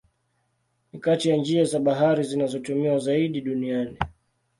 Ni kati ya njia za bahari zinazotumiwa zaidi duniani.